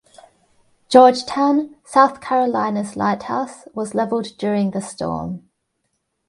Georgetown, South Carolina's lighthouse was leveled during the storm.